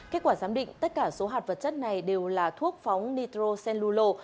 kết quả giám định tất cả số hạt vật chất này đều là thuốc phóng nitrocellulo